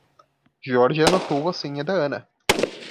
Jorge anotou a senha da Ana.